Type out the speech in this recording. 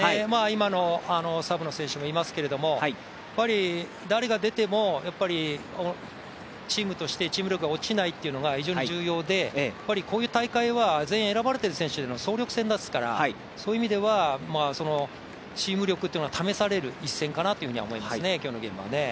サブの選手もいますけど誰が出てもチームとしてチーム力が落ちないというのが非常に重要で、こういう大会は全員、選ばれている選手の総力戦ですから、そういう意味ではチーム力っていうのが試される一戦かなと思いますね、今日のゲームはね。